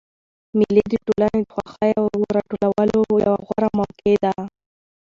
مېلې د ټولني د خوښیو د راټولولو یوه غوره موقع ده.